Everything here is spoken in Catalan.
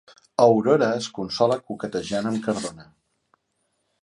Aurora es consola coquetejant amb Cardona.